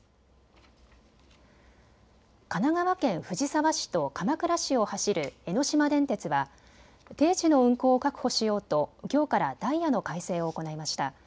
神奈川県藤沢市と鎌倉市を走る江ノ島電鉄は定時の運行を確保しようときょうからダイヤの改正を行いました。